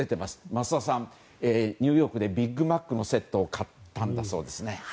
増田さん、ニューヨークでビッグマックのセットを買ったんだそうですね。